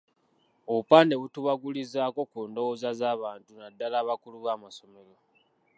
Obupande butubagulizaako ku ndowooza z’abantu naddala abakulu b’amasomero.